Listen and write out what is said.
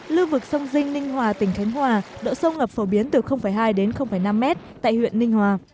lưu vực sông dinh ninh hòa tỉnh khánh hòa độ sâu ngập phổ biến từ hai đến năm mét tại huyện ninh hòa